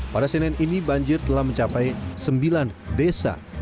pada senin ini banjir telah mencapai sembilan desa